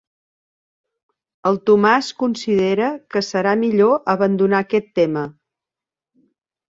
El Tomàs considera que serà millor abandonar aquest tema.